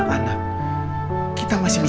kaka taat ibu